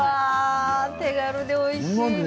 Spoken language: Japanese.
手軽でおいしいね。